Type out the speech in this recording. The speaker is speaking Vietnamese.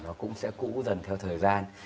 nó cũng sẽ cũ dần theo thời gian